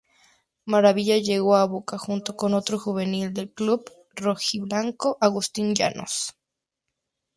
Maravilla llegó a Boca junto con otro juvenil del club rojiblanco, Agustín Llanos.